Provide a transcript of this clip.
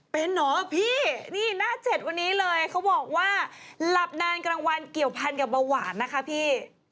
เป็นเหรอพี่นี่หน้าเจ็ดวันนี้เลยเขาบอกว่าหลับนานกลางวันเกี่ยวพันกับเบาหวานนะคะพี่